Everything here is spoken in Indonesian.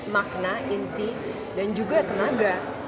makna inti dan juga tenaga